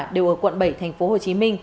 đều ở quận bảy tp hcm